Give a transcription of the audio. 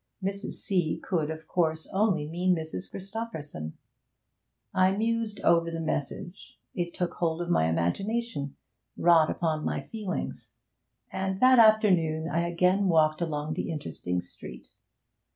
Mrs. C. could, of course, only mean Mrs. Christopherson. I mused over the message it took hold of my imagination, wrought upon my feelings; and that afternoon I again walked along the interesting street.